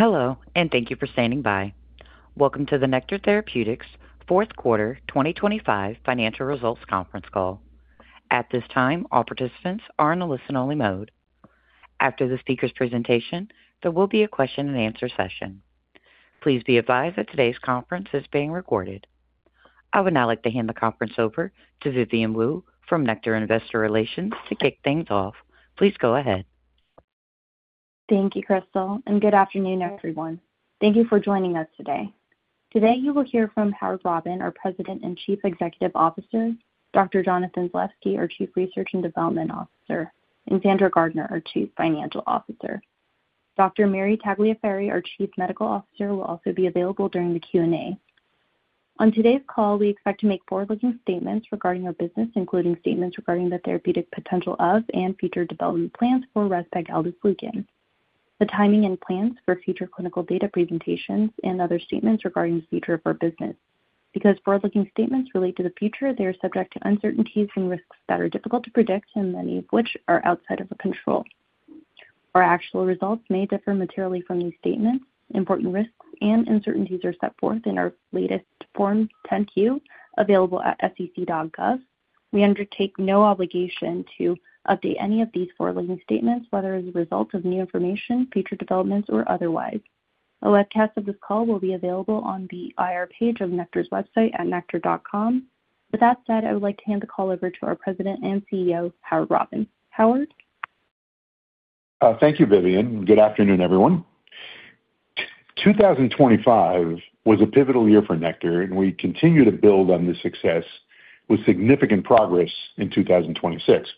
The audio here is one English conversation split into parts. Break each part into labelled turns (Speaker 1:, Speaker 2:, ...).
Speaker 1: Hello, and thank you for standing by. Welcome to the Nektar Therapeutics Fourth Quarter 2025 Financial Results Conference Call. At this time, all participants are in a listen-only mode. After the speaker's presentation, there will be a question and answer session. Please be advised that today's conference is being recorded. I would now like to hand the conference over to Vivian Wu from Nektar Investor Relations to kick things off. Please go ahead.
Speaker 2: Thank you, Crystal, and good afternoon, everyone. Thank you for joining us today. Today, you will hear from Howard Robin, our President and Chief Executive Officer, Dr. Jonathan Zalevsky, our Chief Research and Development Officer, and Sandra Gardiner, our Chief Financial Officer. Dr. Mary Tagliaferri, our Chief Medical Officer, will also be available during the Q&A. On today's call, we expect to make forward-looking statements regarding our business, including statements regarding the therapeutic potential of and future development plans for rezpegaldesleukin, the timing and plans for future clinical data presentations, and other statements regarding the future of our business. Because forward-looking statements relate to the future, they are subject to uncertainties and risks that are difficult to predict and many of which are outside of our control. Our actual results may differ materially from these statements. Important risks and uncertainties are set forth in our latest Form 10-Q, available at sec.gov. We undertake no obligation to update any of these forward-looking statements, whether as a result of new information, future developments, or otherwise. A webcast of this call will be available on the IR page of Nektar's website at nektar.com. With that said, I would like to hand the call over to our President and CEO, Howard Robin. Howard?
Speaker 3: Thank you, Vivian. Good afternoon, everyone. 2025 was a pivotal year for Nektar, and we continue to build on this success with significant progress in 2026.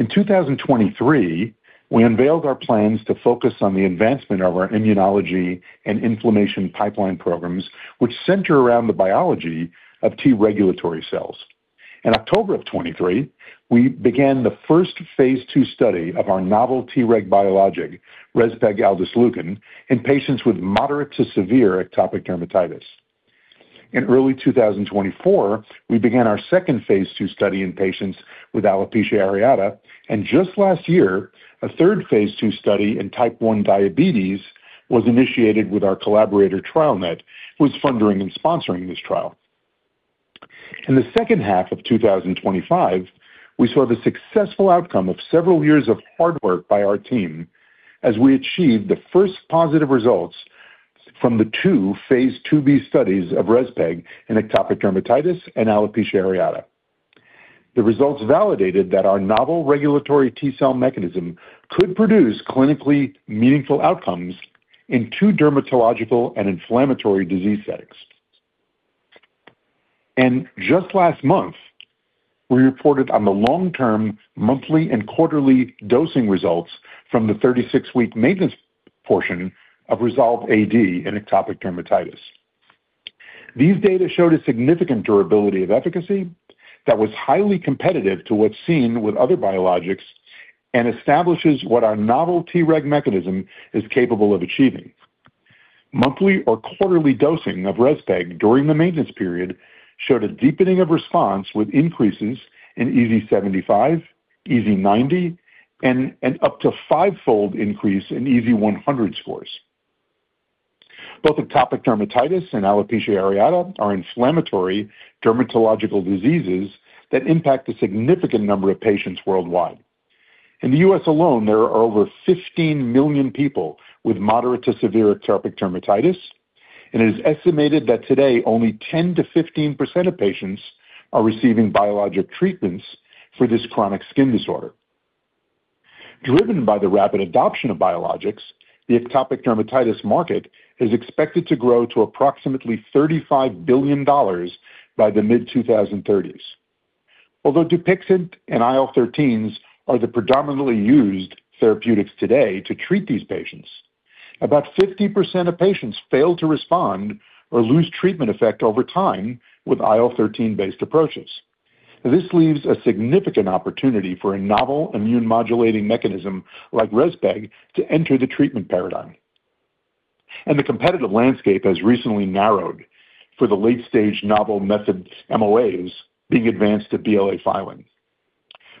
Speaker 3: In 2023, we unveiled our plans to focus on the advancement of our immunology and inflammation pipeline programs, which center around the biology of T-regulatory cells. In October 2023, we began the first phase two study of our novel Treg biologic, rezpegaldesleukin, in patients with moderate to severe atopic dermatitis. In early 2024, we began our second phase two study in patients with alopecia areata. Just last year, a third phase two study in type 1 diabetes was initiated with our collaborator, TrialNet, who is funding and sponsoring this trial. In the second half of 2025, we saw the successful outcome of several years of hard work by our team as we achieved the first positive results from the two phase twob studies of REZPEG in atopic dermatitis and alopecia areata. The results validated that our novel regulatory T-cell mechanism could produce clinically meaningful outcomes in two dermatological and inflammatory disease settings. Just last month, we reported on the long-term monthly and quarterly dosing results from the 36-week maintenance portion of REZOLVE-AD in atopic dermatitis. These data showed a significant durability of efficacy that was highly competitive to what's seen with other biologics and establishes what our novel Treg mechanism is capable of achieving. Monthly or quarterly dosing of REZPEG during the maintenance period showed a deepening of response with increases in EASI 75, EASI 90, and an up to five fold increase in EASI 100 scores. Both atopic dermatitis and alopecia areata are inflammatory dermatological diseases that impact a significant number of patients worldwide. In the U.S. alone, there are over 15 million people with moderate to severe atopic dermatitis, and it is estimated that today only 10%-15% of patients are receiving biologic treatments for this chronic skin disorder. Driven by the rapid adoption of biologics, the atopic dermatitis market is expected to grow to approximately $35 billion by the mid-2030s. Although Dupixent and IL-13s are the predominantly used therapeutics today to treat these patients, about 50% of patients fail to respond or lose treatment effect over time with IL-13-based approaches. This leaves a significant opportunity for a novel immune modulating mechanism like REZPEG to enter the treatment paradigm. The competitive landscape has recently narrowed for the late-stage novel MOAs being advanced to BLA filing.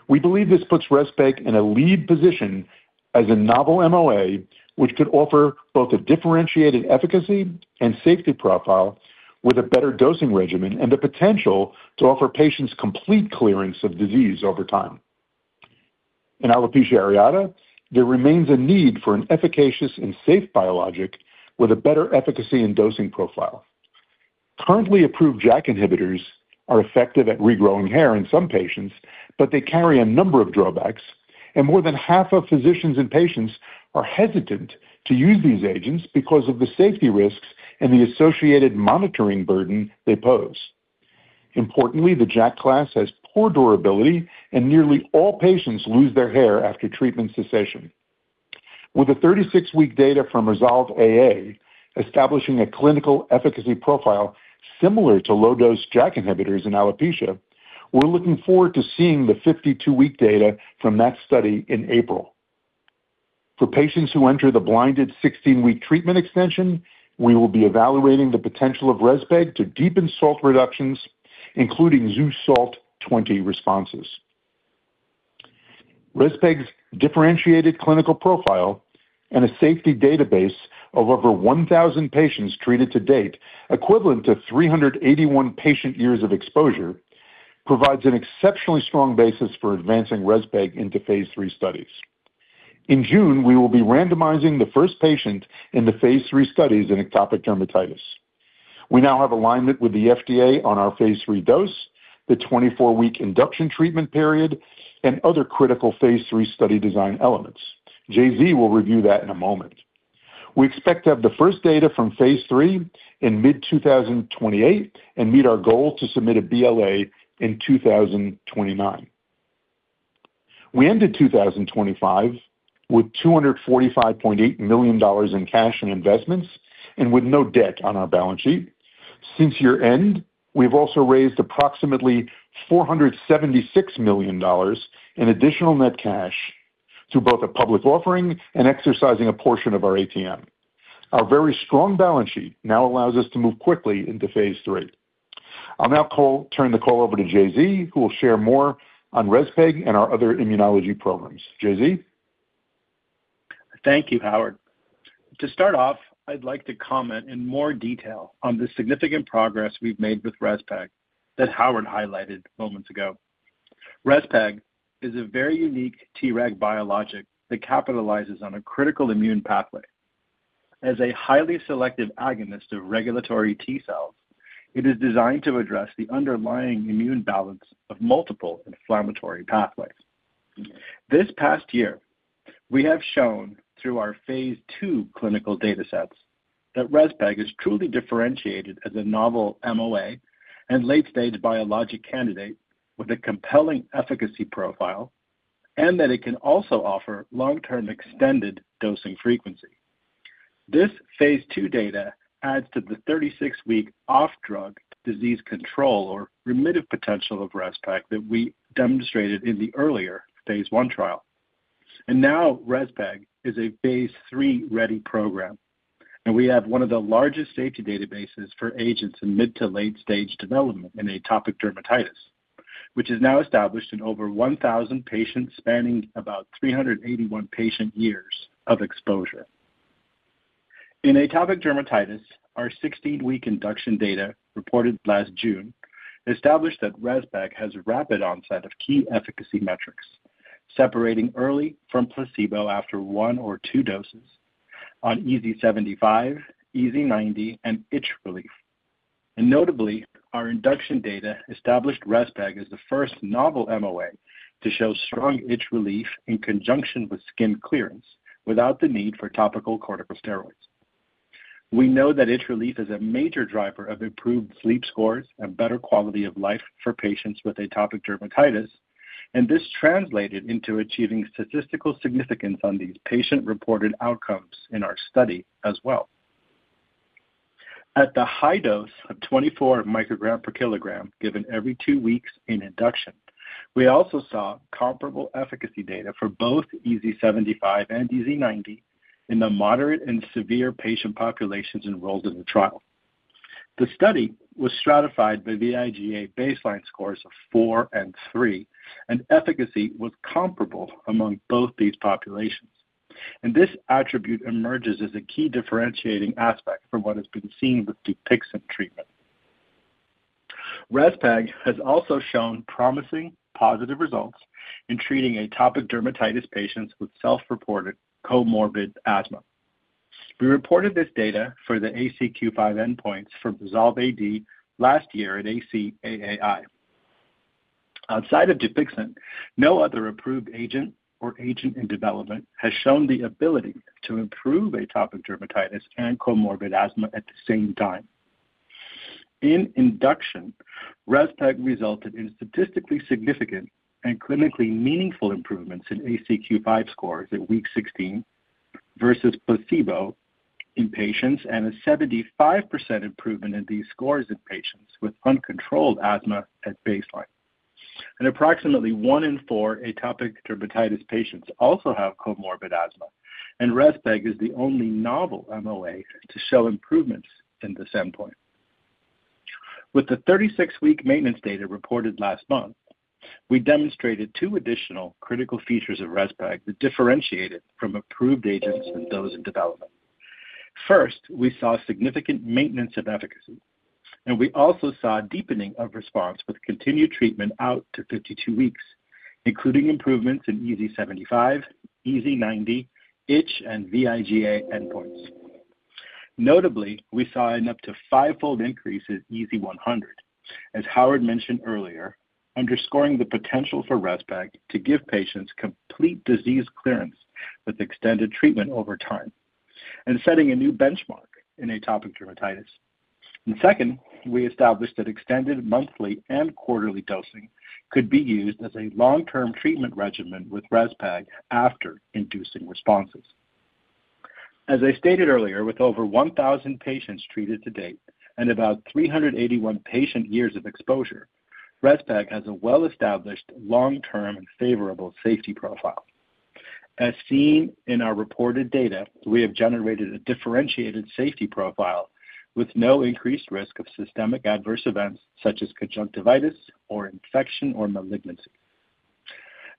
Speaker 3: We believe this puts REZPEG in a lead position as a novel MOA, which could offer both a differentiated efficacy and safety profile with a better dosing regimen and the potential to offer patients complete clearance of disease over time. In alopecia areata, there remains a need for an efficacious and safe biologic with a better efficacy and dosing profile. Currently approved JAK inhibitors are effective at regrowing hair in some patients, but they carry a number of drawbacks, and more than half of physicians and patients are hesitant to use these agents because of the safety risks and the associated monitoring burden they pose. Importantly, the JAK class has poor durability, and nearly all patients lose their hair after treatment cessation. With the 36-week data from REZOLVE-AA establishing a clinical efficacy profile similar to low-dose JAK inhibitors in alopecia, we're looking forward to seeing the 52-week data from that study in April. For patients who enter the blinded 16-week treatment extension, we will be evaluating the potential of REZPEG to deepen SALT reductions, including SALT 0, SALT 20 responses. REZPEG's differentiated clinical profile and a safety database of over 1,000 patients treated to date, equivalent to 381 patient years of exposure, provides an exceptionally strong basis for advancing REZPEG into phase three studies. In June, we will be randomizing the first patient in the phase three studies in atopic dermatitis. We now have alignment with the FDA on our phase three dose, the 24-week induction treatment period, and other critical phase three study design elements. JZ will review that in a moment. We expect to have the first data from phase three in mid-2028 and meet our goal to submit a BLA in 2029. We ended 2025 with $245.8 million in cash and investments and with no debt on our balance sheet. Since year-end, we have also raised approximately $476 million in additional net cash through both a public offering and exercising a portion of our ATM. Our very strong balance sheet now allows us to move quickly into phase three. I'll now turn the call over to JZ, who will share more on REZPEG and our other immunology programs. JZ?
Speaker 4: Thank you, Howard. To start off, I'd like to comment in more detail on the significant progress we've made with REZPEG that Howard highlighted moments ago. REZPEG is a very unique Treg biologic that capitalizes on a critical immune pathway. As a highly selective agonist of regulatory T cells, it is designed to address the underlying immune balance of multiple inflammatory pathways. This past year, we have shown through our phase two clinical datasets that REZPEG is truly differentiated as a novel MOA and late-stage biologic candidate with a compelling efficacy profile, and that it can also offer long-term extended dosing frequency. This phase two data adds to the 36-week off-drug disease control or remitted potential of REZPEG that we demonstrated in the earlier phase one trial. Now REZPEG is a phase three-ready program, and we have one of the largest safety databases for agents in mid- to late-stage development in atopic dermatitis, which is now established in over 1,000 patients spanning about 381 patient years of exposure. In atopic dermatitis, our 16-week induction data reported last June established that REZPEG has rapid onset of key efficacy metrics, separating early from placebo after one or two doses on EASI 75, EASI 90, and itch relief. Notably, our induction data established REZPEG as the first novel MOA to show strong itch relief in conjunction with skin clearance without the need for topical corticosteroids. We know that itch relief is a major driver of improved sleep scores and better quality of life for patients with atopic dermatitis, and this translated into achieving statistical significance on these patient-reported outcomes in our study as well. At the high dose of 24 microgram per kilogram given every two weeks in induction, we also saw comparable efficacy data for both EASI 75 and EASI 90 in the moderate and severe patient populations enrolled in the trial. The study was stratified by vIGA baseline scores of four and three, and efficacy was comparable among both these populations. This attribute emerges as a key differentiating aspect from what has been seen with Dupixent treatment. REZPEG has also shown promising positive results in treating atopic dermatitis patients with self-reported comorbid asthma. We reported this data for the ACQ-5 endpoints for REZOLVE-AD last year at ACAAI. Outside of Dupixent, no other approved agent or agent in development has shown the ability to improve atopic dermatitis and comorbid asthma at the same time. In induction, REZPEG resulted in statistically significant and clinically meaningful improvements in ACQ five scores at week 16 versus placebo in patients and a 75% improvement in these scores in patients with uncontrolled asthma at baseline. Approximately one in four atopic dermatitis patients also have comorbid asthma, and REZPEG is the only novel MOA to show improvements in this endpoint. With the 36-week maintenance data reported last month, we demonstrated two additional critical features of REZPEG that differentiate it from approved agents and those in development. First, we saw significant maintenance of efficacy, and we also saw a deepening of response with continued treatment out to 52 weeks, including improvements in EASI 75, EASI 90, itch, and vIGA endpoints. Notably, we saw an up to five fold increase in EASI 100, as Howard mentioned earlier, underscoring the potential for REZPEG to give patients complete disease clearance with extended treatment over time and setting a new benchmark in atopic dermatitis. Second, we established that extended monthly and quarterly dosing could be used as a long-term treatment regimen with REZPEG after inducing responses. As I stated earlier, with over 1,000 patients treated to date and about 381 patient years of exposure, REZPEG has a well-established long-term and favorable safety profile. As seen in our reported data, we have generated a differentiated safety profile with no increased risk of systemic adverse events such as conjunctivitis or infection or malignancy.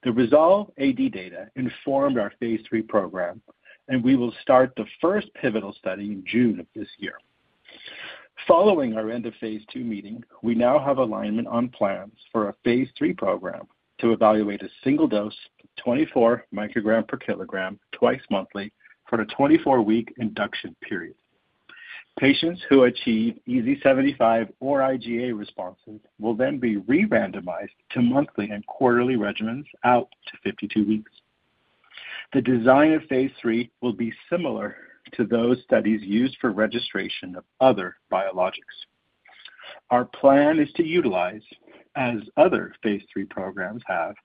Speaker 4: The REZOLVE-AD data informed our phase three program, and we will start the first pivotal study in June of this year. Following our end of phase two meeting, we now have alignment on plans for a phase three program to evaluate a single dose of 24 microgram per kilogram twice monthly for a 24-week induction period. Patients who achieve EASI 75 or IGA responses will then be re-randomized to monthly and quarterly regimens out to 52 weeks. The design of phase three will be similar to those studies used for registration of other biologics. Our plan is to utilize, as other phase three programs have,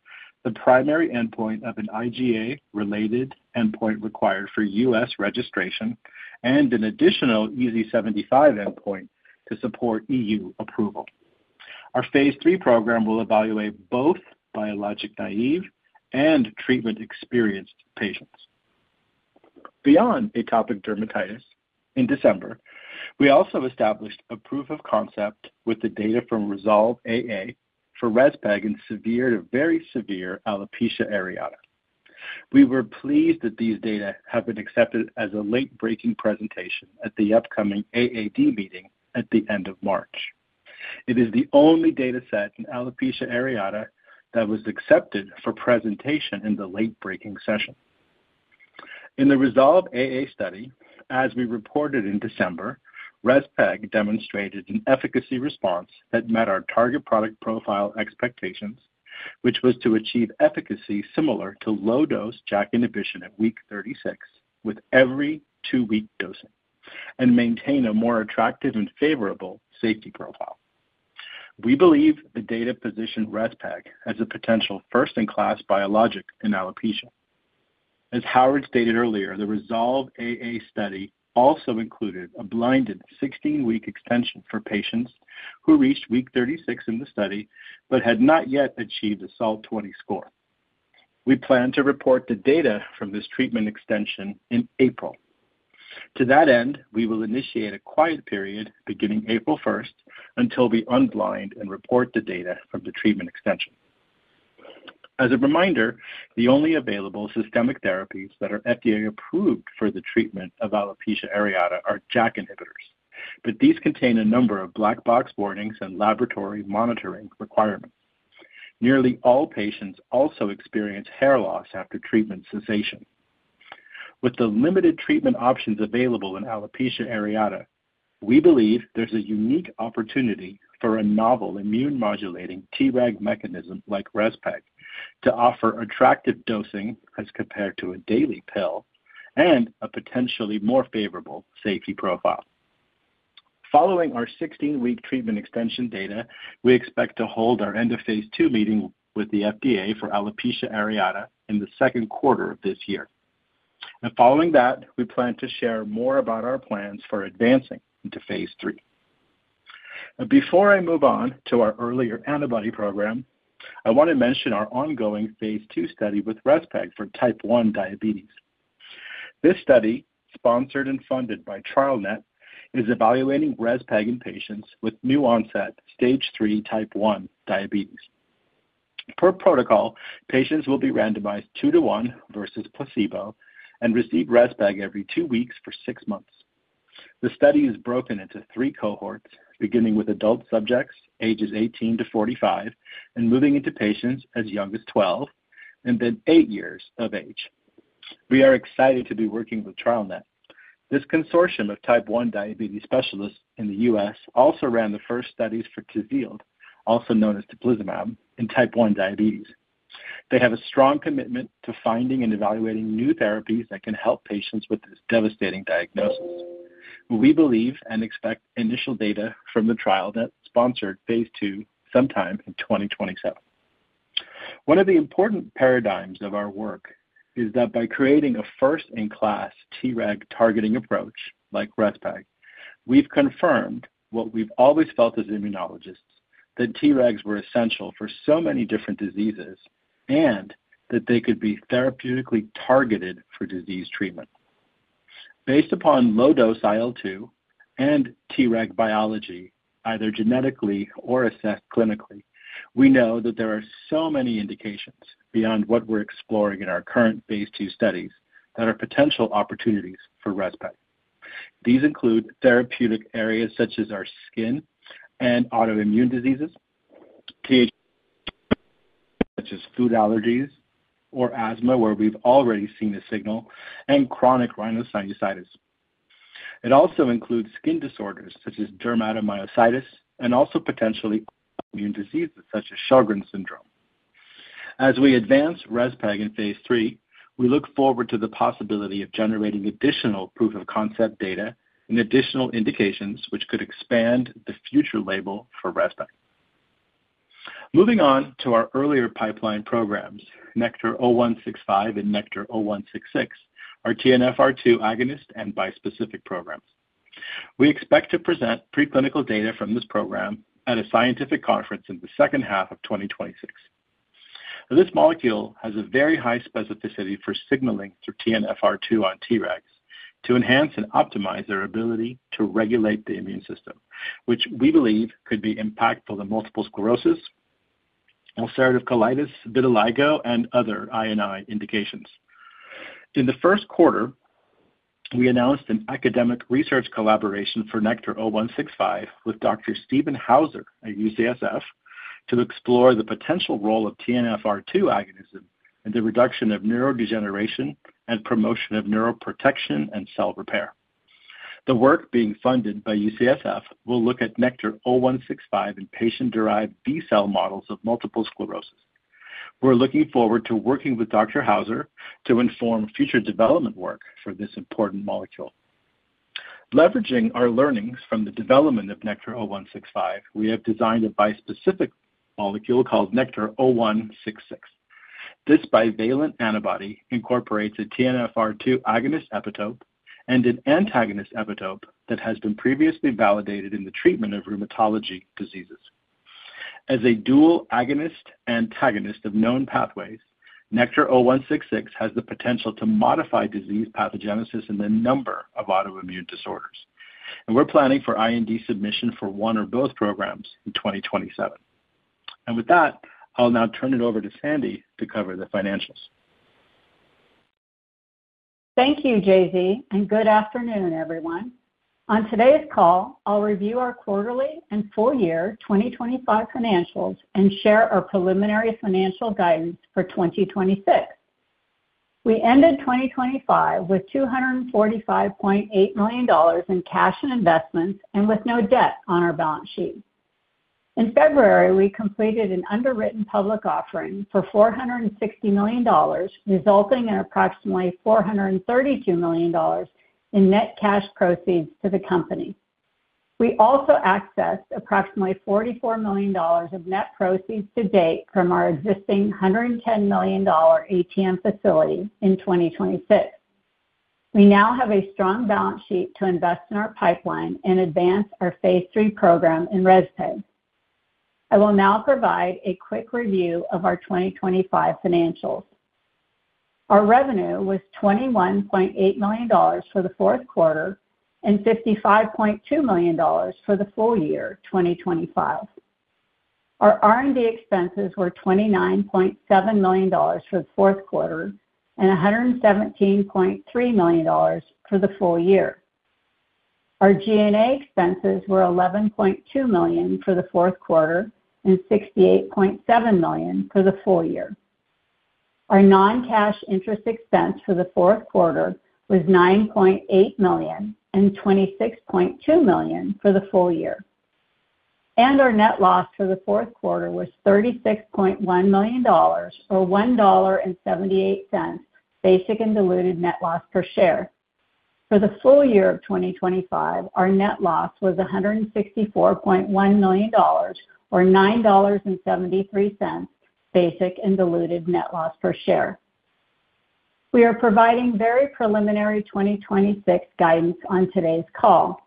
Speaker 4: the primary endpoint of an IGA related endpoint required for U.S. registration and an additional EASI 75 endpoint to support E.U. approval. Our phase three program will evaluate both biologic-naive and treatment-experienced patients. Beyond atopic dermatitis, in December, we also established a proof of concept with the data from REZOLVE-AA for REZPEG in severe to very severe alopecia areata. We were pleased that these data have been accepted as a late breaking presentation at the upcoming AAD meeting at the end of March. It is the only data set in alopecia areata that was accepted for presentation in the late breaking session. In the REZOLVE-AA study, as we reported in December, REZPEG demonstrated an efficacy response that met our target product profile expectations, which was to achieve efficacy similar to low dose JAK inhibition at week 36 with every two week dosing and maintain a more attractive and favorable safety profile. We believe the data positioned REZPEG as a potential first in class biologic in alopecia. As Howard stated earlier, the REZOLVE-AA study also included a blinded 16-week extension for patients who reached week 36 in the study but had not yet achieved a SALT 20 score. We plan to report the data from this treatment extension in April. To that end, we will initiate a quiet period beginning April first until we unblind and report the data from the treatment extension. As a reminder, the only available systemic therapies that are FDA approved for the treatment of alopecia areata are JAK inhibitors, but these contain a number of black box warnings and laboratory monitoring requirements. Nearly all patients also experience hair loss after treatment cessation. With the limited treatment options available in alopecia areata, we believe there's a unique opportunity for a novel immune modulating Treg mechanism like REZPEG to offer attractive dosing as compared to a daily pill and a potentially more favorable safety profile. Following our 16-week treatment extension data, we expect to hold our end of phase two meeting with the FDA for alopecia areata in the second quarter of this year. Following that, we plan to share more about our plans for advancing into phase three. Before I move on to our earlier antibody program, I want to mention our ongoing phase two study with REZPEG for type one diabetes. This study, sponsored and funded by TrialNet, is evaluating REZPEG in patients with new onset stage three type one diabetes. Per protocol, patients will be randomized two to one versus placebo and receive REZPEG every two weeks for six months. The study is broken into three cohorts, beginning with adult subjects ages 18 to 45 and moving into patients as young as 12 and then eight years of age. We are excited to be working with TrialNet. This consortium of type one diabetes specialists in the U.S. also ran the first studies for Tzield, also known as teplizumab, in type one diabetes. They have a strong commitment to finding and evaluating new therapies that can help patients with this devastating diagnosis. We believe and expect initial data from the trial that sponsored phase two sometime in 2027. One of the important paradigms of our work is that by creating a first in class Treg targeting approach like REZPEG, we've confirmed what we've always felt as immunologists, that Tregs were essential for so many different diseases, and that they could be therapeutically targeted for disease treatment. Based upon low-dose IL-2 and Treg biology, either genetically or assessed clinically, we know that there are so many indications beyond what we're exploring in our current phase two studies that are potential opportunities for REZPEG. These include therapeutic areas such as in skin and autoimmune diseases, TH2 such as food allergies or asthma, where we've already seen a signal, and chronic rhinosinusitis. It also includes skin disorders such as dermatomyositis and also potentially immune diseases such as Sjögren's syndrome. As we advance REZPEG in phase three, we look forward to the possibility of generating additional proof of concept data and additional indications which could expand the future label for REZPEG. Moving on to our earlier pipeline programs, NKTR-0165 and NKTR-0166, our TNFR2 agonist and bispecific programs. We expect to present preclinical data from this program at a scientific conference in the second half of 2026. This molecule has a very high specificity for signaling through TNFR2 on Tregs to enhance and optimize their ability to regulate the immune system, which we believe could be impactful in multiple sclerosis, ulcerative colitis, vitiligo, and other I&I indications. In the first quarter, we announced an academic research collaboration for NKTR-0165 with Dr. Stephen Hauser at UCSF to explore the potential role of TNFR2 agonism in the reduction of neurodegeneration and promotion of neuroprotection and cell repair. The work being funded by UCSF will look at NKTR-0165 in patient-derived B cell models of multiple sclerosis. We're looking forward to working with Dr. Hauser to inform future development work for this important molecule. Leveraging our learnings from the development of NKTR-0165, we have designed a bispecific molecule called NKTR-0166. This bivalent antibody incorporates a TNFR2 agonist epitope and an antagonist epitope that has been previously validated in the treatment of rheumatology diseases. As a dual agonist/antagonist of known pathways, NKTR-0166 has the potential to modify disease pathogenesis in a number of autoimmune disorders, and we're planning for IND submission for one or both programs in 2027. With that, I'll now turn it over to Sandy to cover the financials.
Speaker 5: Thank you, JZ, and good afternoon, everyone. On today's call, I'll review our quarterly and full year 2025 financials and share our preliminary financial guidance for 2026. We ended 2025 with $245.8 million in cash and investments and with no debt on our balance sheet. In February, we completed an underwritten public offering for $460 million, resulting in approximately $432 million in net cash proceeds to the company. We also accessed approximately $44 million of net proceeds to date from our existing $110 million ATM facility in 2026. We now have a strong balance sheet to invest in our pipeline and advance our phase three program in REZPEG. I will now provide a quick review of our 2025 financials. Our revenue was $21.8 million for the fourth quarter and $55.2 million for the full year 2025. Our R&D expenses were $29.7 million for the fourth quarter and $117.3 million for the full year. Our G&A expenses were $11.2 million for the fourth quarter and $68.7 million for the full year. Our non-cash interest expense for the fourth quarter was $9.8 million and $26.2 million for the full year. Our net loss for the fourth quarter was $36.1 million or $1.78 basic and diluted net loss per share. For the full year of 2025, our net loss was $164.1 million or $9.73 basic and diluted net loss per share. We are providing very preliminary 2026 guidance on today's call.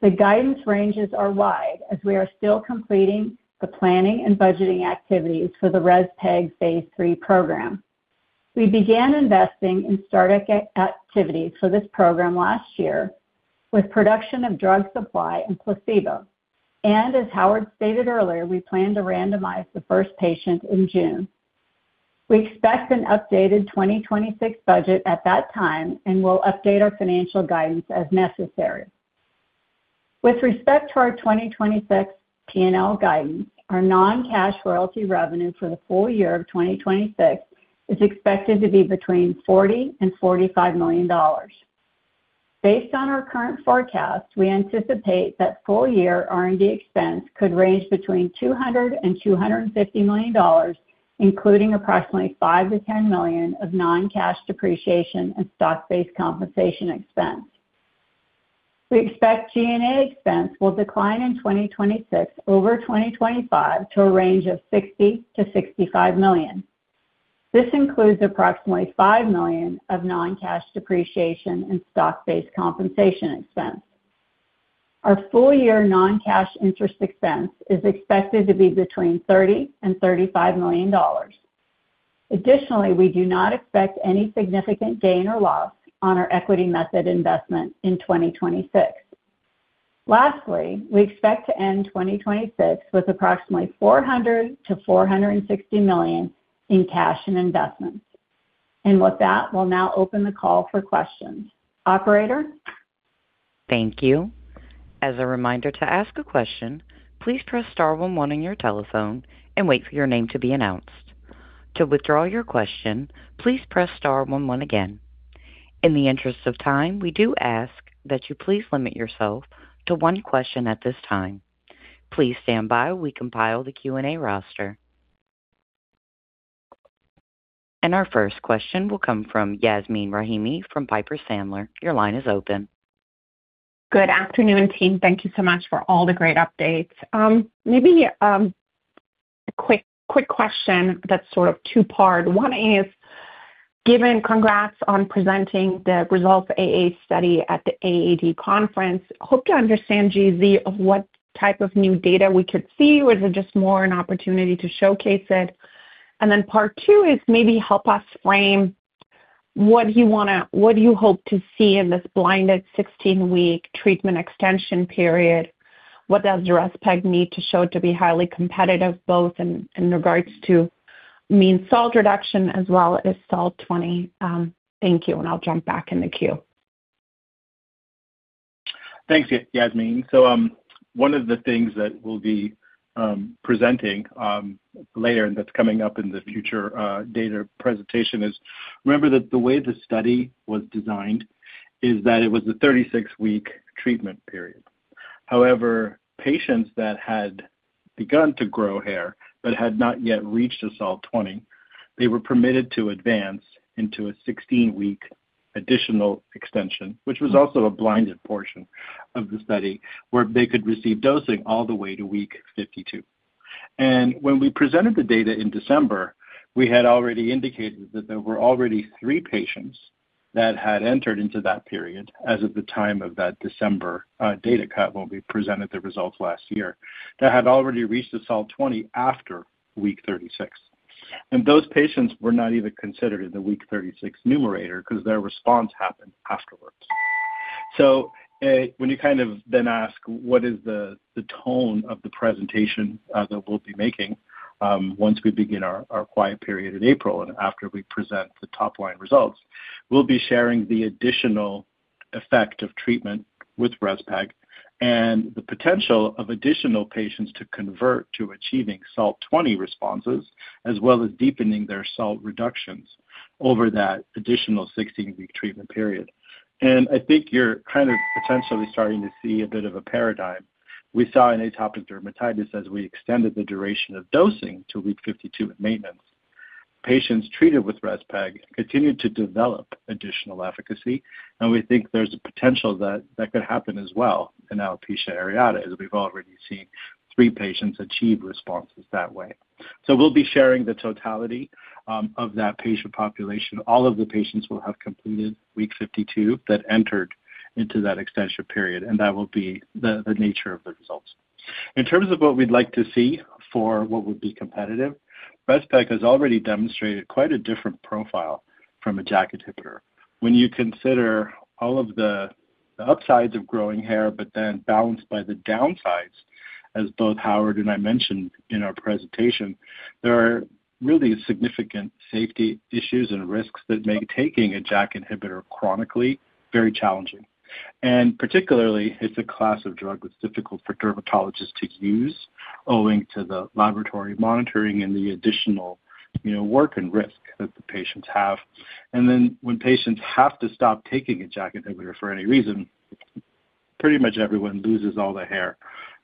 Speaker 5: The guidance ranges are wide as we are still completing the planning and budgeting activities for the REZPEG phase three program. We began investing in start activities for this program last year with production of drug supply and placebo. As Howard stated earlier, we plan to randomize the first patient in June. We expect an updated 2026 budget at that time, and we'll update our financial guidance as necessary. With respect to our 2026 P&L guidance, our non-cash royalty revenue for the full year of 2026 is expected to be between $40 million and $45 million. Based on our current forecast, we anticipate that full-year R&D expense could range between $200 million and $250 million, including approximately $5 million to $10 million of non-cash depreciation and stock-based compensation expense. We expect G&A expense will decline in 2026 over 2025 to a range of $60 million to $65 million. This includes approximately $5 million of non-cash depreciation and stock-based compensation expense. Our full-year non-cash interest expense is expected to be between $30 million and $35 million. Additionally, we do not expect any significant gain or loss on our equity method investment in 2026. Lastly, we expect to end 2026 with approximately $400 million to $460 million in cash and investments. With that, we'll now open the call for questions. Operator?
Speaker 1: Thank you. As a reminder to ask a question, please press star one one on your telephone and wait for your name to be announced. To withdraw your question, please press star one one again. In the interest of time, we do ask that you please limit yourself to one question at this time. Please stand by while we compile the Q&A roster. Our first question will come from Yasmeen Rahimi from Piper Sandler. Your line is open.
Speaker 6: Good afternoon, team. Thank you so much for all the great updates. Quick question that's sort of two-part. One is, given congrats on presenting the results AA study at the AAD conference, hope to understand just what type of new data we could see. Was it just more an opportunity to showcase it? Then part two is maybe help us frame what do you hope to see in this blinded 16-week treatment extension period? What does REZPEG need to show to be highly competitive, both in regards to mean SALT reduction as well as SALT 20? Thank you, and I'll jump back in the queue.
Speaker 4: Thanks, Yasmeen. One of the things that we'll be presenting later and that's coming up in the future data presentation is remember that the way the study was designed is that it was a 36-week treatment period. However, patients that had begun to grow hair but had not yet reached a SALT 20, they were permitted to advance into a 16-week additional extension, which was also a blinded portion of the study, where they could receive dosing all the way to week 52. When we presented the data in December, we had already indicated that there were already 3 patients that had entered into that period as of the time of that December data cut when we presented the results last year, that had already reached the SALT 20 after week 36. Those patients were not even considered in the week 36 numerator 'cause their response happened afterwards. When you kind of then ask what is the tone of the presentation that we'll be making once we begin our quiet period in April and after we present the top line results, we'll be sharing the additional effect of treatment with REZPEG and the potential of additional patients to convert to achieving SALT 20 responses, as well as deepening their SALT reductions over that additional 16-week treatment period. I think you're kind of potentially starting to see a bit of a paradigm we saw in atopic dermatitis as we extended the duration of dosing to week 52 in maintenance. Patients treated with REZPEG continued to develop additional efficacy, and we think there's a potential that could happen as well in alopecia areata, as we've already seen three patients achieve responses that way. We'll be sharing the totality of that patient population. All of the patients will have completed week 52 that entered into that extension period, and that will be the nature of the results. In terms of what we'd like to see for what would be competitive, REZPEG has already demonstrated quite a different profile from a JAK inhibitor. When you consider all of the upsides of growing hair, but then balanced by the downsides, as both Howard and I mentioned in our presentation, there are really significant safety issues and risks that make taking a JAK inhibitor chronically very challenging. Particularly, it's a class of drug that's difficult for dermatologists to use owing to the laboratory monitoring and the additional, you know, work and risk that the patients have. Then when patients have to stop taking a JAK inhibitor for any reason, pretty much everyone loses all the hair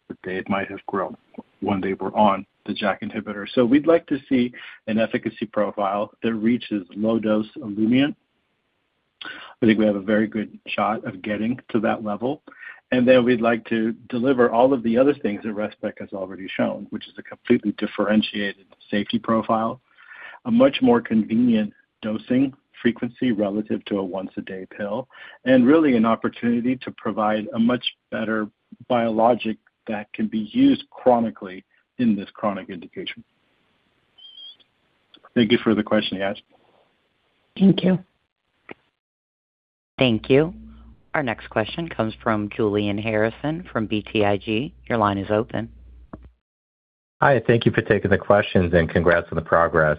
Speaker 4: that they might have grown when they were on the JAK inhibitor. We'd like to see an efficacy profile that reaches low dose Olumiant. I think we have a very good shot of getting to that level. Then we'd like to deliver all of the other things that REZPEG has already shown, which is a completely differentiated safety profile, a much more convenient dosing frequency relative to a once-a-day pill, and really an opportunity to provide a much better biologic that can be used chronically in this chronic indication. Thank you for the question, Yasmin.
Speaker 6: Thank you.
Speaker 1: Thank you. Our next question comes from Julian Harrison from BTIG. Your line is open.
Speaker 7: Hi, thank you for taking the questions and congrats on the progress.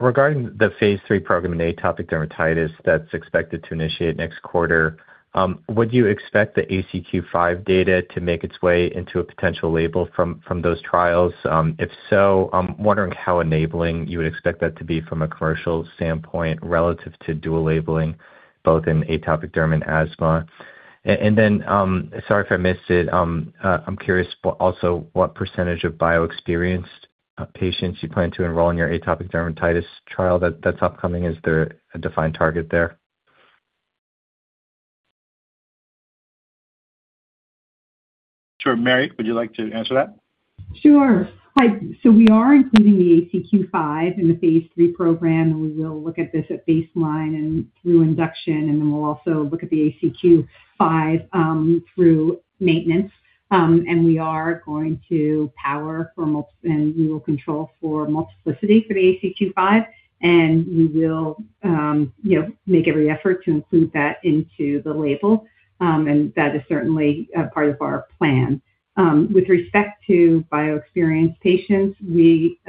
Speaker 7: Regarding the phase three program in atopic dermatitis that's expected to initiate next quarter, would you expect the ACQ-5 data to make its way into a potential label from those trials? If so, I'm wondering how enabling you would expect that to be from a commercial standpoint relative to dual labeling both in atopic derm and asthma. Sorry if I missed it, I'm curious also what percentage of bio-experienced patients you plan to enroll in your atopic dermatitis trial that's upcoming. Is there a defined target there?
Speaker 4: Sure. Mary, would you like to answer that?
Speaker 8: Sure. Hi. We are including the ACQ-5 in the phase three program, and we will look at this at baseline and through induction, and then we'll also look at the ACQ-5 through maintenance. We are going to power for multiplicity, and we will control for multiplicity for the ACQ-5, and we will, you know, make every effort to include that into the label, and that is certainly part of our plan. With respect to bio-experienced patients, we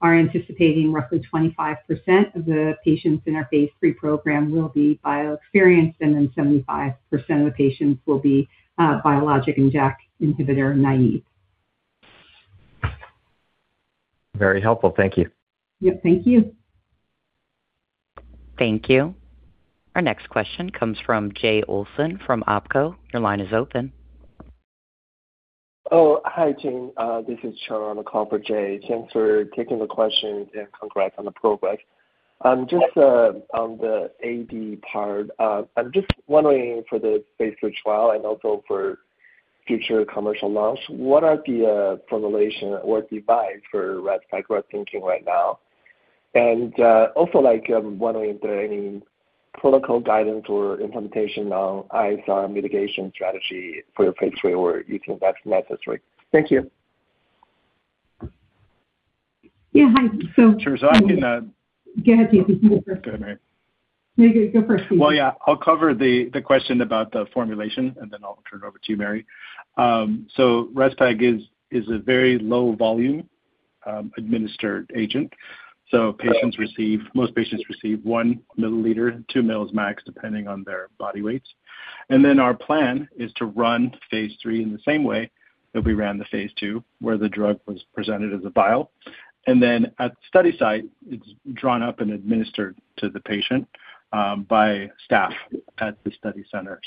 Speaker 8: are anticipating roughly 25% of the patients in our phase three program will be bio-experienced, and then 75% of the patients will be biologic and JAK inhibitor naive.
Speaker 7: Very helpful. Thank you.
Speaker 8: Yep, thank you.
Speaker 1: Thank you. Our next question comes from Jay Olson from OpCo. Your line is open.
Speaker 9: Oh, hi team. This is Cheng Li. I'm calling for Jay. Thanks for taking the questions and congrats on the progress. Just, on the AD part, I'm just wondering for the phase three trial and also for future commercial launch, what are the formulation or device for REZPEG we're thinking right now? And, also, like, I'm wondering if there are any protocol guidance or implementation on ISR mitigation strategy for phase three, or you think that's necessary. Thank you.
Speaker 8: Yeah. Hi.
Speaker 4: Sure. I can,
Speaker 8: Go ahead. [inaudible] You can go first.
Speaker 4: Go ahead, Mary.
Speaker 8: No, you go first, Stephen Hauser.
Speaker 4: Well, yeah, I'll cover the question about the formulation, and then I'll turn it over to you, Mary. REZPEG is a very low volume administered agent. Patients receive most patients receive 1 mL, 2 mL max, depending on their body weights. Our plan is to run phase three in the same way that we ran the phase two, where the drug was presented as a vial. At the study site, it's drawn up and administered to the patient by staff at the study centers.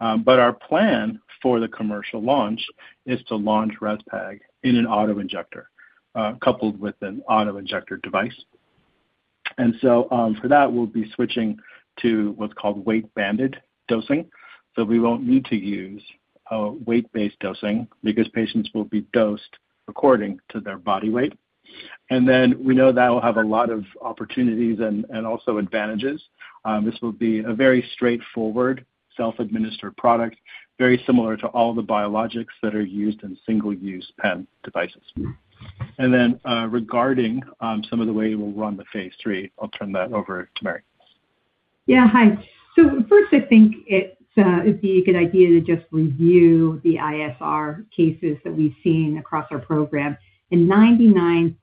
Speaker 4: But our plan for the commercial launch is to launch REZPEG in an auto-injector coupled with an auto-injector device. For that, we'll be switching to what's called weight-banded dosing. We won't need to use weight-based dosing because patients will be dosed according to their body weight. We know that'll have a lot of opportunities and also advantages. This will be a very straightforward self-administered product, very similar to all the biologics that are used in single-use pen devices. Regarding some of the way we'll run the phase three, I'll turn that over to Mary.
Speaker 8: Yeah. Hi. First, I think it'd be a good idea to just review the ISR cases that we've seen across our program. 99%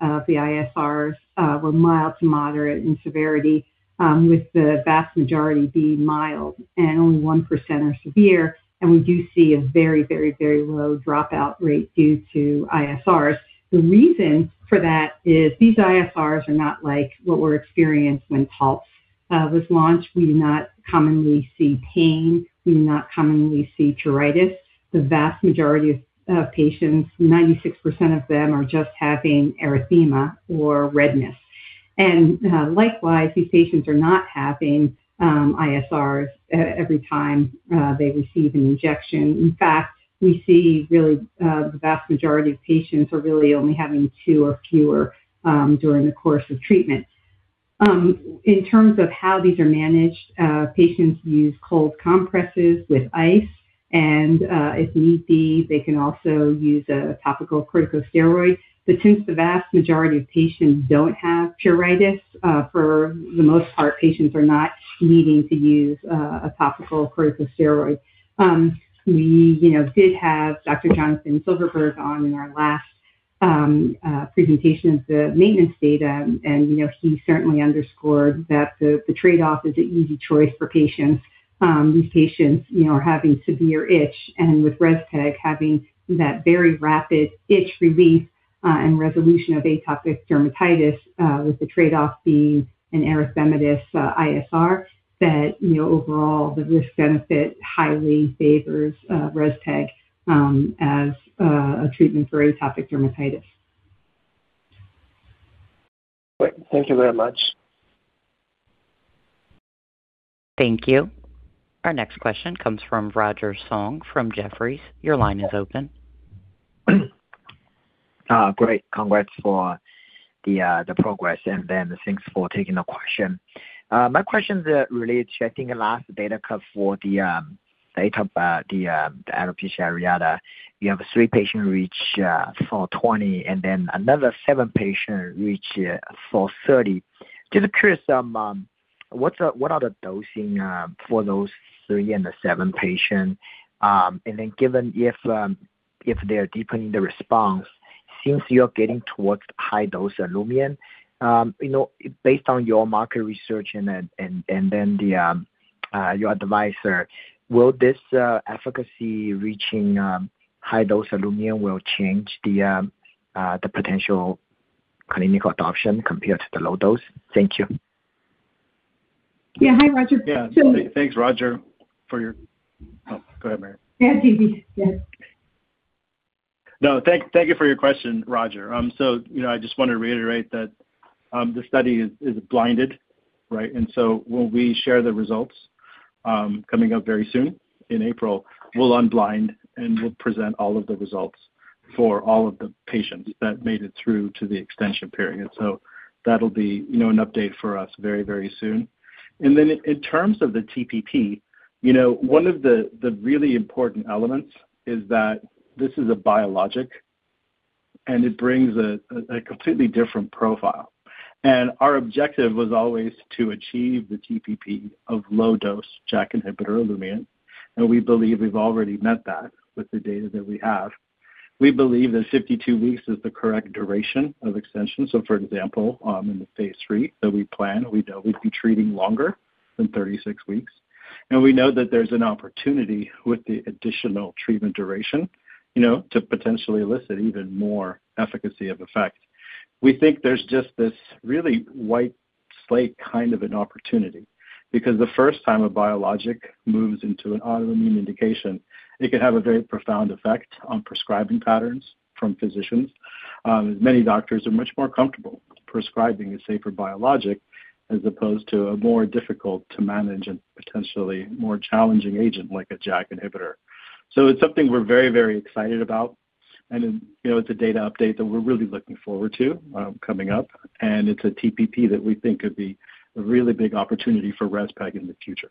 Speaker 8: of the ISRs were mild to moderate in severity, with the vast majority being mild and only 1% are severe. We do see a very low dropout rate due to ISRs. The reason for that is these ISRs are not like what were experienced when PULZ was launched. We do not commonly see pain. We do not commonly see pruritus. The vast majority of patients, 96% of them are just having erythema or redness. Likewise, these patients are not having ISRs every time they receive an injection. In fact, we see really the vast majority of patients are really only having two or fewer during the course of treatment. In terms of how these are managed, patients use cold compresses with ice and, if need be, they can also use a topical corticosteroid. Since the vast majority of patients don't have pruritus, for the most part, patients are not needing to use a topical corticosteroid. We, you know, did have Dr. Jonathan Silverberg on in our last presentation of the maintenance data, and, you know, he certainly underscored that the trade-off is an easy choice for patients. These patients, you know, are having severe itch, and with REZPEG having that very rapid itch relief, and resolution of atopic dermatitis, with the trade-off being an erythematous ISR that, you know, overall the risk-benefit highly favors REZPEG as a treatment for atopic dermatitis.
Speaker 9: Great. Thank you very much.
Speaker 1: Thank you. Our next question comes from Roger Song from Jefferies. Your line is open.
Speaker 10: Great. Congrats on the progress, and thanks for taking the question. My question is related to, I think, in last data cut for the data, the alopecia areata. You have three patients reached SALT 20, and then another seven patients reached SALT 30. Just curious, what are the doses for those three and the seven patients? Given if they are deepening the response since you're getting towards high-dose Olumiant, you know, based on your market research and then your advice, will this efficacy reaching high-dose Olumiant change the potential clinical adoption compared to the low-dose? Thank you.
Speaker 8: Yeah. Hi, Roger.
Speaker 4: Yeah.
Speaker 8: So-
Speaker 4: Oh, go ahead, Mary.
Speaker 8: Yeah. Zalevsky.
Speaker 4: No. Thank you for your question, Roger. You know, I just wanna reiterate that, the study is blinded, right? When we share the results, coming up very soon in April, we'll unblind, and we'll present all of the results for all of the patients that made it through to the extension period. That'll be, you know, an update for us very, very soon. In terms of the TPP, you know, one of the really important elements is that this is a biologic, and it brings a completely different profile. Our objective was always to achieve the TPP of low-dose JAK inhibitor Olumiant, and we believe we've already met that with the data that we have. We believe that 52 weeks is the correct duration of extension. For example, in the phase three that we plan, we know we'd be treating longer than 36 weeks. We know that there's an opportunity with the additional treatment duration, you know, to potentially elicit even more efficacy of effect. We think there's just this really white space kind of an opportunity. Because the first time a biologic moves into an autoimmune indication, it can have a very profound effect on prescribing patterns from physicians. Many doctors are much more comfortable prescribing a safer biologic as opposed to a more difficult to manage and potentially more challenging agent like a JAK inhibitor. It's something we're very, very excited about, and, you know, it's a data update that we're really looking forward to, coming up. It's a TPP that we think could be a really big opportunity for REZPEG in the future.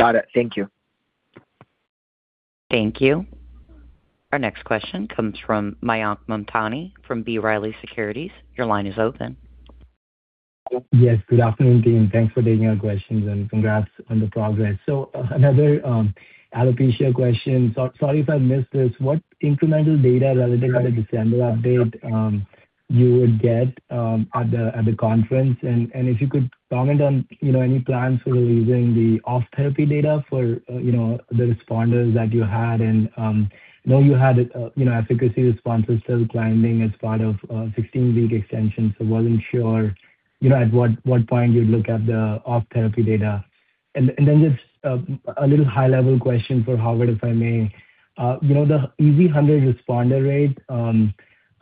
Speaker 10: Got it. Thank you.
Speaker 1: Thank you. Our next question comes from Mayank Mamtani from B. Riley Securities. Your line is open.
Speaker 11: Yes, good afternoon, team. Thanks for taking our questions, and congrats on the progress. Another alopecia question. Sorry if I missed this. What incremental data relative to the December update you would get at the conference? And if you could comment on you know any plans for using the off-therapy data for you know the responders that you had and you know you had you know efficacy responders still climbing as part of 16-week extension. I wasn't sure, you know, at what point you'd look at the off-therapy data. And then just a little high-level question for Howard, if I may. You know, the EASI 100 responder rate,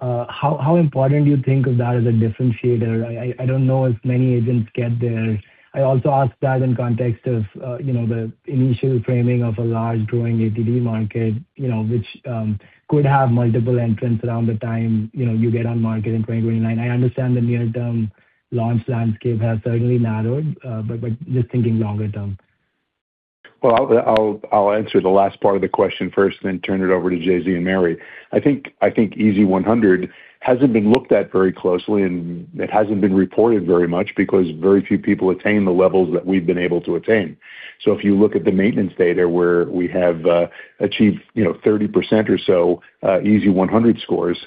Speaker 11: how important do you think of that as a differentiator? I don't know if many agents get there. I also ask that in context of you know the initial framing of a large growing AD market you know which could have multiple entrants around the time you know you get on market in 2029. I understand the near-term launch landscape has certainly narrowed but just thinking longer term.
Speaker 3: I'll answer the last part of the question first, then turn it over to JZ and Mary. I think EASI 100 hasn't been looked at very closely, and it hasn't been reported very much because very few people attain the levels that we've been able to attain. If you look at the maintenance data where we have achieved, you know, 30% or so EASI 100 scores,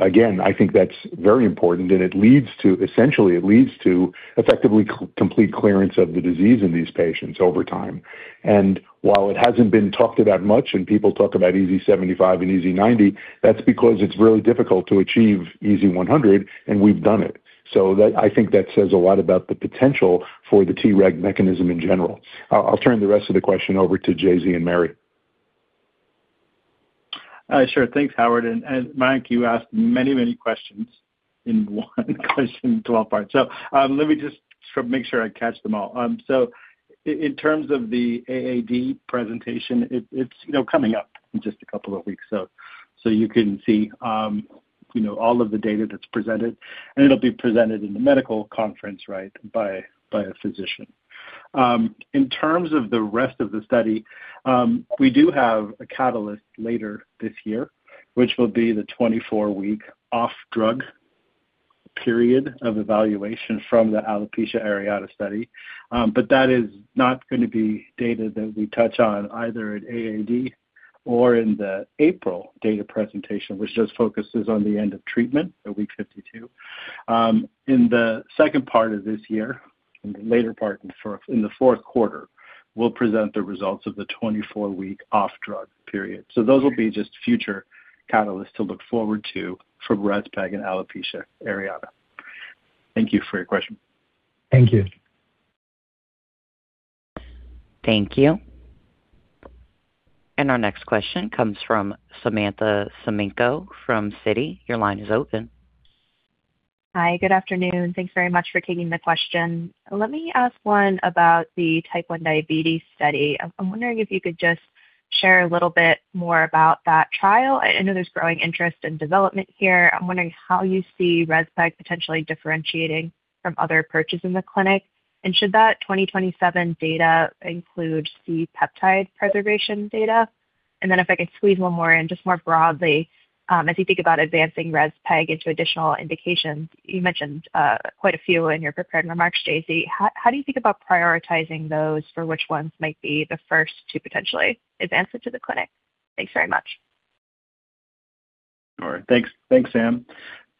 Speaker 3: again, I think that's very important, and it leads to essentially it leads to effectively complete clearance of the disease in these patients over time. While it hasn't been talked about much and people talk about EASI 75 and EASI 90, that's because it's really difficult to achieve EASI 100, and we've done it. I think that says a lot about the potential for the Treg mechanism in general. I'll turn the rest of the question over to JZ and Mary.
Speaker 4: Sure. Thanks, Howard. Mayank, you asked many questions in one question, 12 parts. Let me just make sure I catch them all. In terms of the AAD presentation, it's, you know, coming up in just a couple of weeks. You can see, you know, all of the data that's presented, and it'll be presented in the medical conference, right, by a physician. In terms of the rest of the study, we do have a catalyst later this year, which will be the 24-week off-drug period of evaluation from the alopecia areata study. That is not gonna be data that we touch on either at AAD or in the April data presentation, which just focuses on the end of treatment at week 52. In the fourth quarter, we'll present the results of the 24-week off-drug period. Those will be just future catalysts to look forward to for REZPEG and alopecia areata. Thank you for your question.
Speaker 11: Thank you.
Speaker 1: Thank you. Our next question comes from Samantha Semenkow from Citi. Your line is open.
Speaker 12: Hi. Good afternoon. Thanks very much for taking the question. Let me ask one about the type one diabetes study. I'm wondering if you could just share a little bit more about that trial. I know there's growing interest in development here. I'm wondering how you see REZPEG potentially differentiating from other approaches in the clinic. Should that 2027 data include C-peptide preservation data? Then if I could squeeze one more in, just more broadly, as you think about advancing REZPEG into additional indications, you mentioned quite a few in your prepared remarks, JZ. How do you think about prioritizing those for which ones might be the first to potentially advance into the clinic? Thanks very much.
Speaker 4: All right. Thanks, Sam.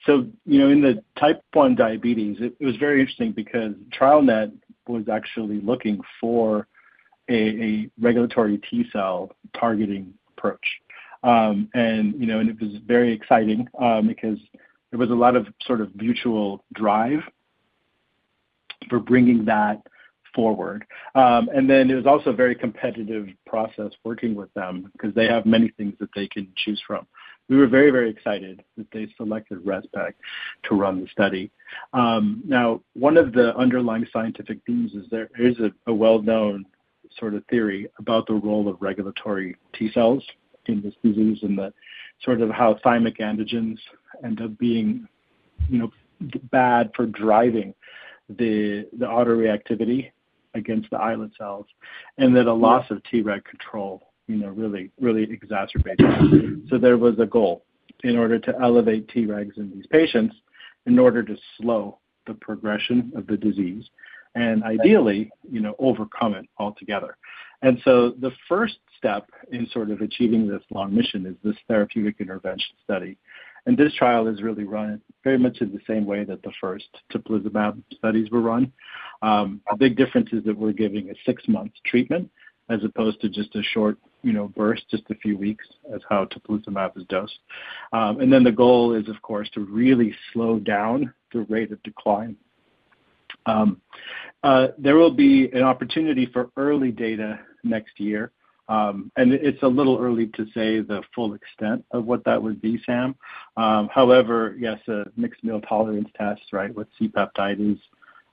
Speaker 4: You know, in the type one diabetes, it was very interesting because TrialNet was actually looking for a regulatory T cell targeting approach. You know, it was very exciting because there was a lot of sort of mutual drive for bringing that forward. It was also a very competitive process working with them 'cause they have many things that they can choose from. We were very, very excited that they selected REZPEG to run the study. Now, one of the underlying scientific themes is there is a well-known sort of theory about the role of regulatory T cells in this disease and the sort of how thymic antigens end up being, you know, bad for driving the autoreactivity against the islet cells, and that a loss of Treg control, you know, really exacerbates that. There was a goal in order to elevate Tregs in these patients in order to slow the progression of the disease and ideally, you know, overcome it altogether. The first step in sort of achieving this long mission is this therapeutic intervention study, and this trial is really run very much in the same way that the first teplizumab studies were run. A big difference is that we're giving a six-month treatment as opposed to just a short, you know, burst, just a few weeks as teplizumab is dosed. Then the goal is, of course, to really slow down the rate of decline. There will be an opportunity for early data next year, and it's a little early to say the full extent of what that would be, Sam. However, yes, a mixed meal tolerance test, right, with C-peptide is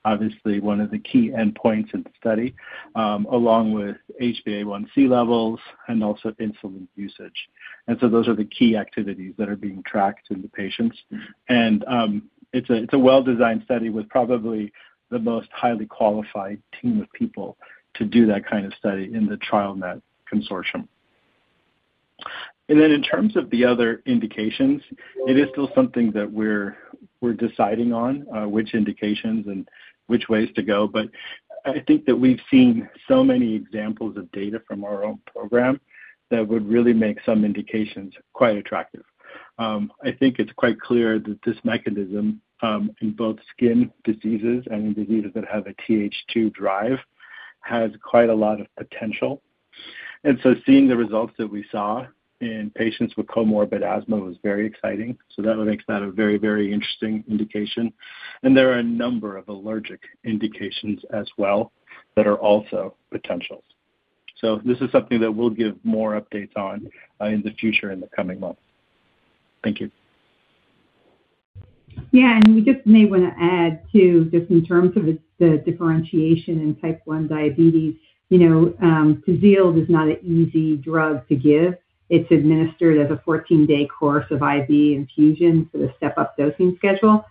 Speaker 4: obviously one of the key endpoints in the study, along with HBA1C levels and also insulin usage. Those are the key activities that are being tracked in the patients. It's a well-designed study with probably the most highly qualified team of people to do that kind of study in the TrialNet consortium. In terms of the other indications, it is still something that we're deciding on, which indications and which ways to go. I think that we've seen so many examples of data from our own program that would really make some indications quite attractive. I think it's quite clear that this mechanism in both skin diseases and in diseases that have a TH2 drive has quite a lot of potential. Seeing the results that we saw in patients with comorbid asthma was very exciting. That makes that a very, very interesting indication. There are a number of allergic indications as well that are also potentials. This is something that we'll give more updates on, in the future, in the coming months. Thank you.
Speaker 8: Yeah. We just may wanna add too, just in terms of the differentiation in type 1 diabetes, you know, Tzield is not an easy drug to give. It's administered as a 14-day course of IV infusion, so a step-up dosing schedule.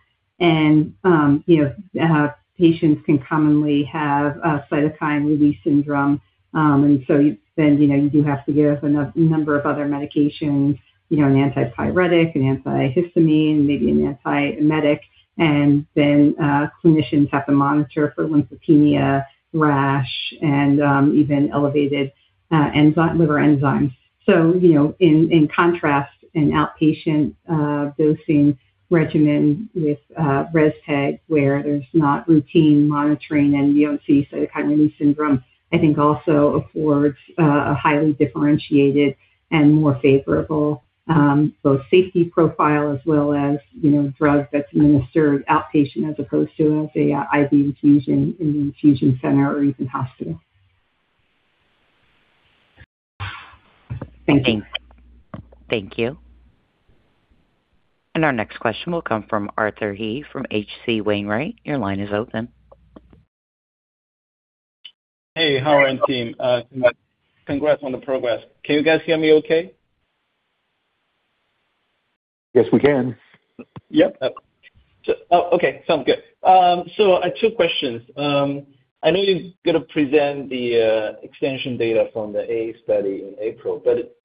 Speaker 8: Patients can commonly have a cytokine release syndrome. You then, you know, you do have to give a number of other medications, you know, an antipyretic, an antihistamine, maybe an antiemetic. Clinicians have to monitor for lymphopenia, rash and even elevated liver enzymes. You know, in contrast, an outpatient dosing regimen with REZPEG where there's not routine monitoring and you don't see cytokine release syndrome, I think also affords a highly differentiated and more favorable both safety profile as well as, you know, drug that's administered outpatient as opposed to an IV infusion in the infusion center or even hospital.
Speaker 12: Thank you.
Speaker 1: Thank you. Our next question will come from Arthur He from H.C. Wainwright. Your line is open.
Speaker 13: Hey, Howard and team, congrats on the progress. Can you guys hear me okay?
Speaker 4: Yes, we can.
Speaker 13: Sounds good. Two questions. I know you're gonna present the extension data from the A study in April, but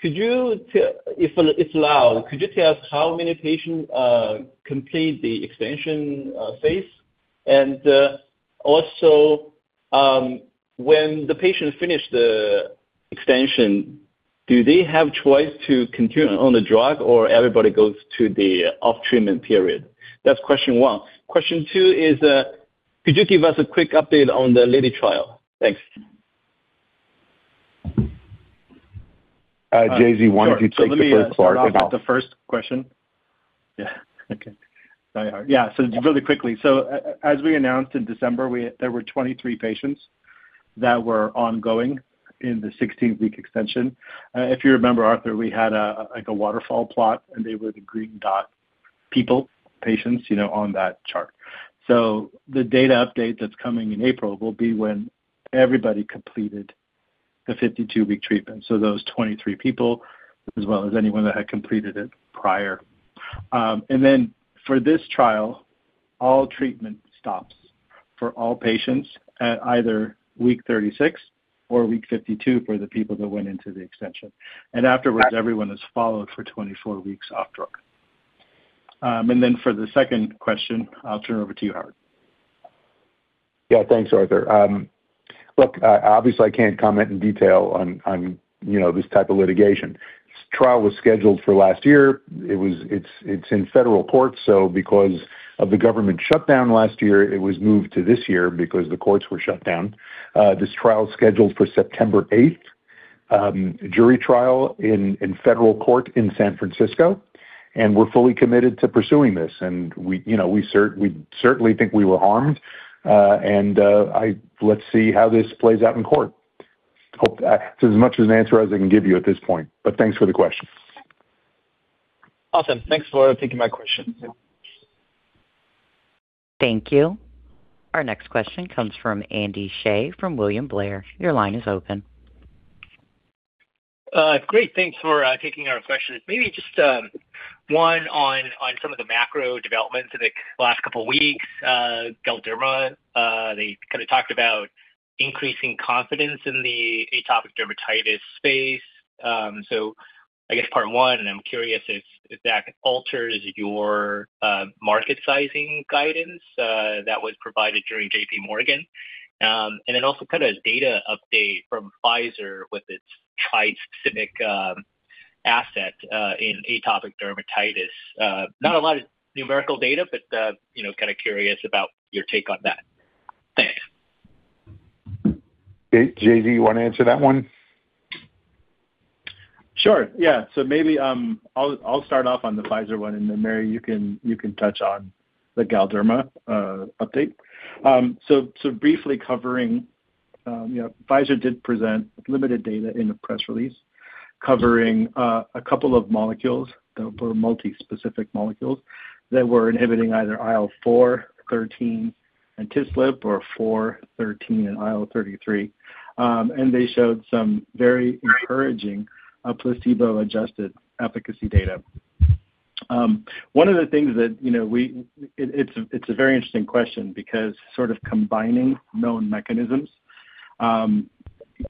Speaker 13: could you tell us, if it's allowed, how many patients complete the extension phase? Also, when the patient finish the extension, do they have choice to continue on the drug or everybody goes to the off treatment period? That's question one. Question two is, could you give us a quick update on the Lilly trial? Thanks.
Speaker 3: JZ, why don't you take the first part about-
Speaker 4: Sure. Let me start off with the first question. Yeah. Okay. Yeah. Really quickly. As we announced in December, there were 23 patients that were ongoing in the 16-week extension. If you remember, Arthur, we had, like, a waterfall plot, and they were the green dot people, patients, you know, on that chart. The data update that's coming in April will be when everybody completed the 52-week treatment, so those 23 people as well as anyone that had completed it prior. For this trial, all treatment stops for all patients at either week 36 or week 52 for the people that went into the extension. Afterwards everyone is followed for 24 weeks off drug. For the second question, I'll turn over to you, Howard.
Speaker 3: Yeah. Thanks, Arthur. Look, obviously I can't comment in detail on you know this type of litigation. This trial was scheduled for last year. It's in federal court, so because of the government shutdown last year, it was moved to this year because the courts were shut down. This trial is scheduled for September eighth, jury trial in federal court in San Francisco, and we're fully committed to pursuing this. We you know we certainly think we were harmed. Let's see how this plays out in court. That's as much as an answer as I can give you at this point, but thanks for the question.
Speaker 13: Awesome. Thanks for taking my question.
Speaker 1: Thank you. Our next question comes from Andy Hsieh from William Blair. Your line is open.
Speaker 14: Great. Thanks for taking our questions. Maybe just one on some of the macro developments in the last couple weeks. Galderma, they kind of talked about increasing confidence in the atopic dermatitis space. I guess part one, and I'm curious if that alters your market sizing guidance that was provided during JPMorgan. And then also kind of data update from Pfizer with its trispecific asset in atopic dermatitis. Not a lot of numerical data, but, you know, kinda curious about your take on that. Thanks.
Speaker 3: JZ, you wanna answer that one?
Speaker 4: Sure, yeah. Maybe I'll start off on the Pfizer one, and then Mary, you can touch on the Galderma update. Briefly covering, you know, Pfizer did present limited data in a press release covering a couple of molecules that were multispecific molecules that were inhibiting either IL-4, IL-13, and TSLP, or IL-4, IL-13, and IL-33. They showed some very encouraging placebo-adjusted efficacy data. One of the things that, you know, it's a very interesting question because sort of combining known mechanisms,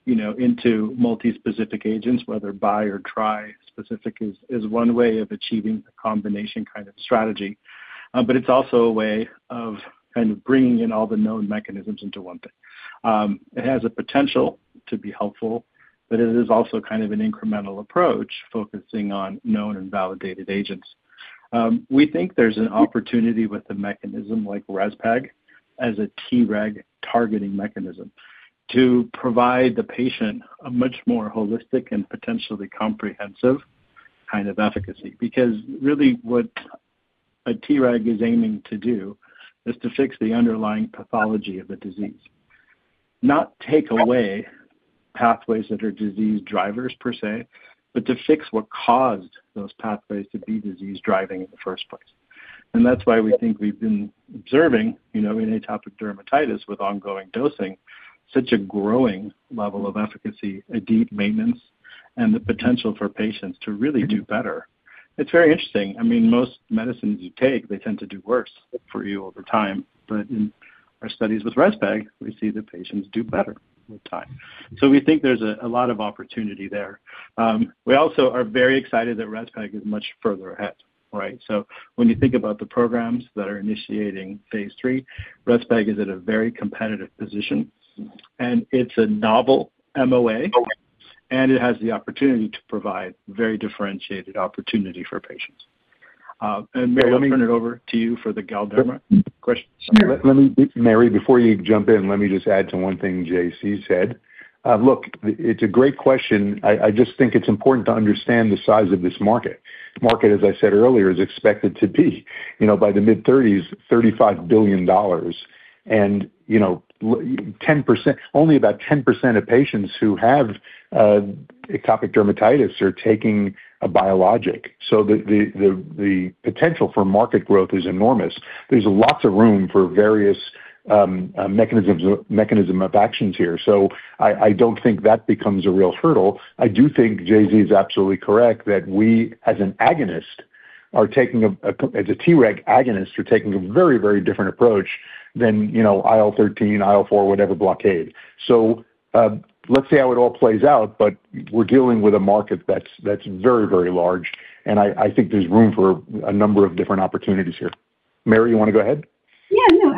Speaker 4: you know, into multispecific agents, whether bi- or trispecific is one way of achieving a combination kind of strategy. It's also a way of kind of bringing in all the known mechanisms into one thing. It has a potential to be helpful, but it is also kind of an incremental approach focusing on known and validated agents. We think there's an opportunity with a mechanism like REZPEG as a Treg targeting mechanism to provide the patient a much more holistic and potentially comprehensive kind of efficacy. Because really what a Treg is aiming to do is to fix the underlying pathology of the disease. Not take away pathways that are disease drivers per se, but to fix what caused those pathways to be disease-driving in the first place. That's why we think we've been observing, you know, in atopic dermatitis with ongoing dosing, such a growing level of efficacy, a deep maintenance, and the potential for patients to really do better. It's very interesting. I mean, most medicines you take, they tend to do worse for you over time. In our studies with REZPEG, we see the patients do better with time. We think there's a lot of opportunity there. We also are very excited that REZPEG is much further ahead, right? When you think about the programs that are initiating phase three, REZPEG is at a very competitive position, and it's a novel MOA, and it has the opportunity to provide very differentiated opportunity for patients. Mary, I'll turn it over to you for the Galderma question.
Speaker 3: Mary, before you jump in, let me just add to one thing JZ said. Look, it's a great question. I just think it's important to understand the size of this market. Market, as I said earlier, is expected to be, by the mid-thirties, $35 billion. Only about 10% of patients who have atopic dermatitis are taking a biologic. The potential for market growth is enormous. There's lots of room for various mechanisms of action here. I don't think that becomes a real hurdle. I do think JZ is absolutely correct that we, as an agonist, as a Treg agonist, are taking a very, very different approach than IL-13, IL-4, whatever blockade. Let's see how it all plays out, but we're dealing with a market that's very, very large, and I think there's room for a number of different opportunities here. Mary, you wanna go ahead?
Speaker 8: Yeah, no.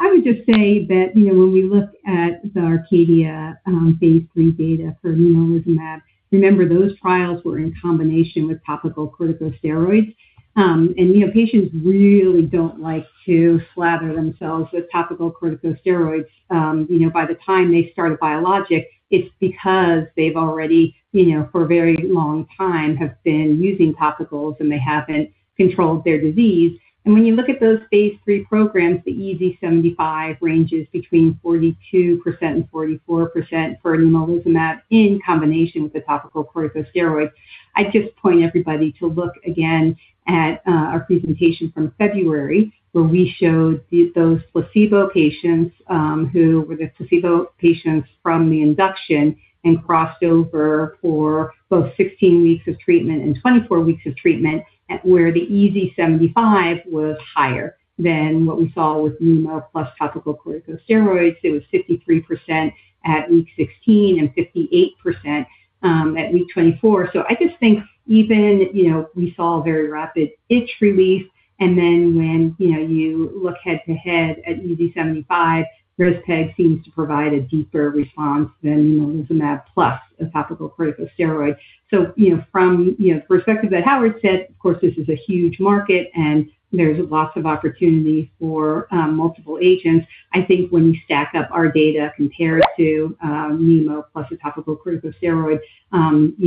Speaker 8: I would just say that, you know, when we look at the ARCADIA phase three data for nemolizumab, remember, those trials were in combination with topical corticosteroids. You know, patients really don't like to slather themselves with topical corticosteroids. You know, by the time they start a biologic, it's because they've already, you know, for a very long time, have been using topicals, and they haven't controlled their disease. When you look at those phase three programs, the EASI 75 ranges between 42%-44% for nemolizumab in combination with the topical corticosteroid. I'd just point everybody to look again at our presentation from February, where we showed those placebo patients who were the placebo patients from the induction and crossed over for both 16 weeks of treatment and 24 weeks of treatment at where the EASI 75 was higher than what we saw with nemolizumab plus topical corticosteroids. It was 63% at week 16 and 58% at week 24. I just think even, you know, we saw a very rapid itch relief and then when, you know, you look head-to-head at EASI 75, rezpegaldesleukin seems to provide a deeper response than nemolizumab plus a topical corticosteroid. You know, from, you know, perspective that Howard said, of course, this is a huge market, and there's lots of opportunity for multiple agents. I think when you stack up our data compared to nemolizumab plus a topical corticosteroid, you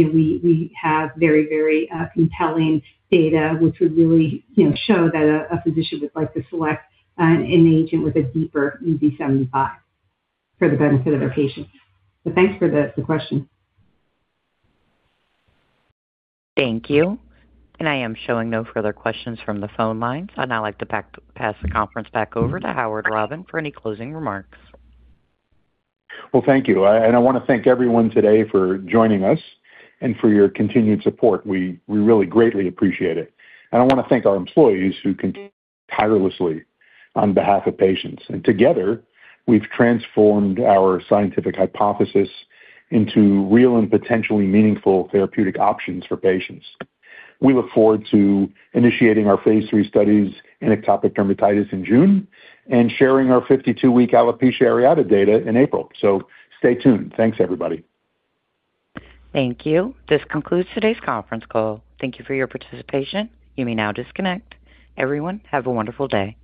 Speaker 8: know, we have very compelling data which would really, you know, show that a physician would like to select an agent with a deeper EASI 75 for the benefit of their patients. Thanks for the question.
Speaker 1: Thank you. I am showing no further questions from the phone lines. I'd now like to pass the conference back over to Howard W. Robin for any closing remarks.
Speaker 3: Well, thank you. I wanna thank everyone today for joining us and for your continued support. We really greatly appreciate it. I wanna thank our employees who tirelessly on behalf of patients. Together, we've transformed our scientific hypothesis into real and potentially meaningful therapeutic options for patients. We look forward to initiating our phase three studies in atopic dermatitis in June and sharing our 52-week alopecia areata data in April. Stay tuned. Thanks, everybody.
Speaker 1: Thank you. This concludes today's conference call. Thank you for your participation. You may now disconnect. Everyone, have a wonderful day.